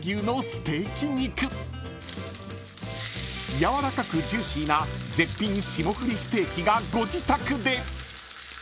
［やわらかくジューシーな絶品霜降りステーキがご自宅で］